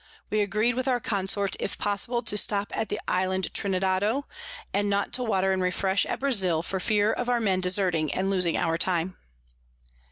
We agreed with our Consort, if possible, to stop at the Isle Trinidado, and not to water and refresh at Brazile, for fear of our Mens deserting, and losing our time.